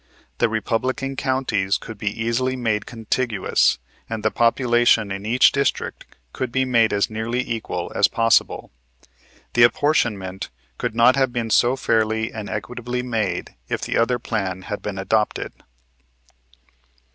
The Republican counties could be easily made contiguous and the population in each district could be made as nearly equal as possible. The apportionment could not have been so fairly and equitably made if the other plan had been adopted.